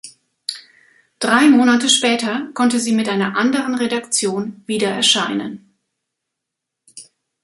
Drei Monate später konnte sie mit einer anderen Redaktion wieder erscheinen.